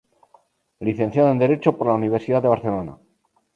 Licenciado en derecho por la Universidad de Barcelona.